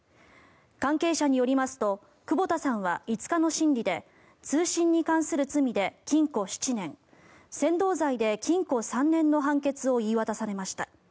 関係者によりますと久保田さんは５日の審理で通信に関する罪で禁錮７年扇動罪で禁錮３年の判決を言い渡されました。